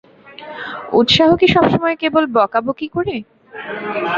উৎসাহ কি সব সময়ে কেবল বকাবকি করে?